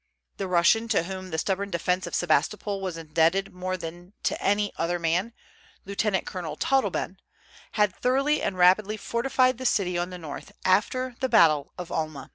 The Russian to whom the stubborn defence of Sebastopol was indebted more than to any other man, Lieut. Colonel Todleben, had thoroughly and rapidly fortified the city on the north after the battle of the Alma.